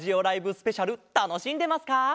スペシャルたのしんでますか？